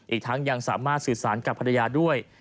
อีกทั้งยังสามารถสื่อสารกับภรรยาด้วย